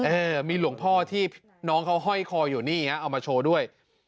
เออมีหลวงพ่อที่น้องเขาห้อยคออยู่นี่ฮะเอามาโชว์ด้วย